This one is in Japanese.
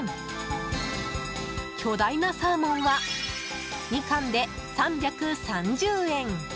巨大なサーモンは２貫で３３０円。